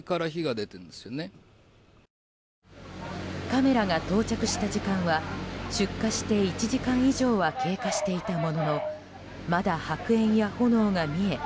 カメラが到着した時間は出火して１時間以上は経過していたもののまだ白煙や炎が見え